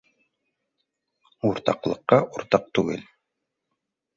— Уртаҡлыҡҡа уртаҡ түгел